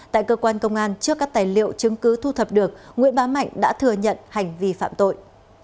tại cơ quan công an trước các tài liệu chứng cứ thu thập được nguyễn bá mạnh đã thừa nhận hành vi phạm tội